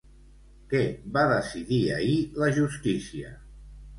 Què va decidir ahir la justícia?